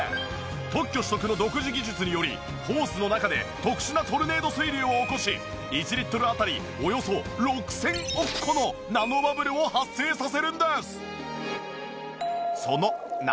特許取得の独自技術によりホースの中で特殊なトルネード水流を起こし１リットルあたりおよそ６０００億個のナノバブルを発生させるんです！